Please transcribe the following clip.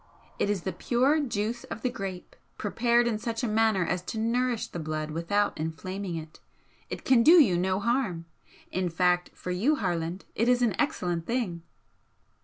It is the pure juice of the grape, prepared in such a manner as to nourish the blood without inflaming it. It can do you no harm, in fact, for you, Harland, it is an excellent thing."